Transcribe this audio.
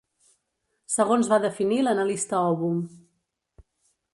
Segons va definir l'analista Ovum.